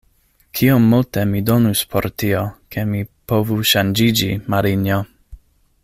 Kiom multe mi donus por tio, ke mi povu ŝanĝiĝi, Marinjo!